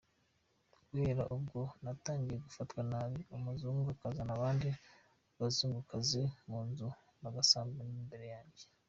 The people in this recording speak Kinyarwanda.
Guhera ubwo natangiye gufatwa nabi, umuzungu akazana abandi bazungukazi munzu bagasambanira imbere yanjye !